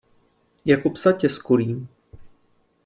Jako psa tě skolím!